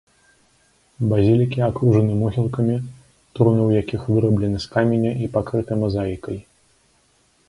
Базілікі акружаны могілкамі, труны ў якіх выраблены з каменя і пакрыты мазаікай.